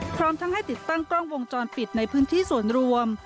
พร้อมทั้งให้ติดตั้งกล้องวงจรปิดในพื้นที่ส่วนรวม